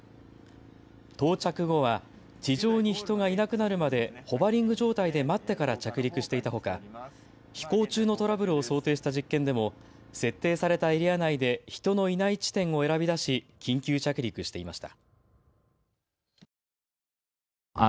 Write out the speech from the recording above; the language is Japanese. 到着後は地上に人がいなくなるまでホバリング状態で待ってから着陸していたほか、飛行中のトラブルを想定した実験でも設定されたエリア内で人のいない地点を選び出し緊急着陸していました。